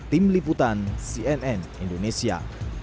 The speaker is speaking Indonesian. tim liputan cnn indonesia